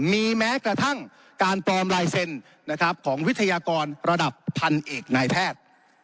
มีแม้กระทั่งการปลอมลายเซ็นต์ของวิทยากรระดับพันเอกนายแพทย์